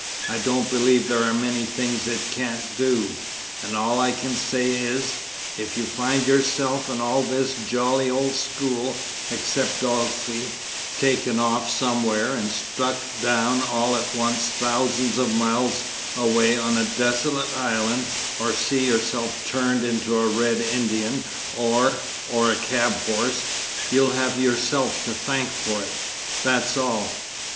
I don't believe there are many things it can't do, and all I can say is if you find yourself and all this jolly old school (except Dulcie) taken off somewhere and stuck down all at once thousands of miles away on a desolate island, or see yourself turned into a Red Indian, or, or a cabhorse, you'll have yourself to thank for it that's all.